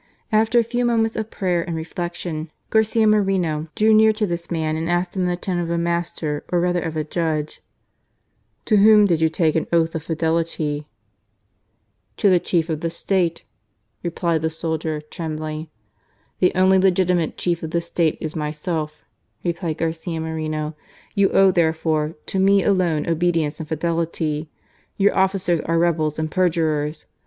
After a few moments of prayer and reflection, Garcia Moreno drew near to this man and asked him in the tone of a master or rather of a judge : THE DRAMA OF RIOBAMBA. 85 " To whom did you take an oath of fidelity ?"" To the Chief of the State," replied the soldier, trembling. "The only legitimate Chief of the State is myself," replied Garcia Moreno. " You owe, there fore, to me alone obedience and fidelity. Your officers are rebels and perjurers.